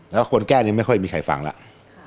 แล้วคนแก้นี้ไม่ค่อยมีใครฟังแล้ว